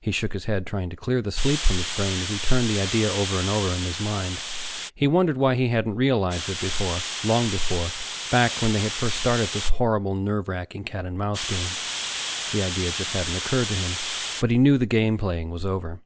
He shook his head, trying to clear the sleep from his brain as he turned the idea over and over in his mind. He wondered why he hadn't realized it before, long before, back when they had first started this horrible, nerve wracking cat and mouse game. The idea just hadn't occurred to him. But he knew the game playing was over.